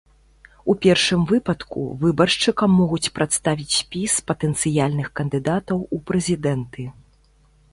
У першым выпадку, выбаршчыкам могуць прадставіць спіс патэнцыяльных кандыдатаў у прэзідэнты.